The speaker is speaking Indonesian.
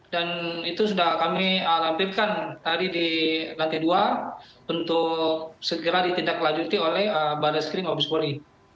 dan itu sudah kami lampirkan tadi di lantai dua untuk segera ditindaklanjuti oleh barreskrim mokpeskori